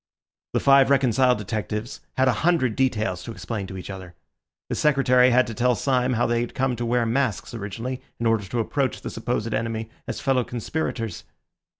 The five reconciled detectives had a hundred details to explain to each other. The Secretary had to tell Syme how they had come to wear masks originally in order to approach the supposed enemy as fellow conspirators.